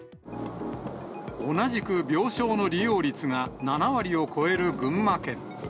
同じく病床の利用率が７割を超える群馬県。